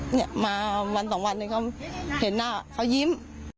เนี่ยมาวันสองวันหนึ่งเขาเห็นหน้าเขายิ้ม